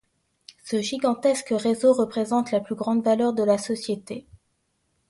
Ce gigantesque réseau représente la plus grande valeur de la société.